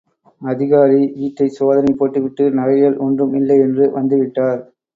அதிகாரி வீட்டைச் சோதனை போட்டு விட்டு நகைகள் ஒன்றும் இல்லை என்று வந்து விட்டார்.